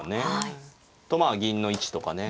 とまあ銀の位置とかね。